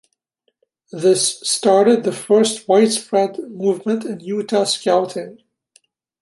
This started the first widespread movement in Utah Scouting.